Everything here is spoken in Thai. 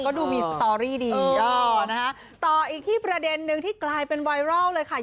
ก็ดูมีสตอรี่ดีเออนะคะต่ออีกที่ประเด็นนึงที่กลายเป็นไวรัลเลยค่ะ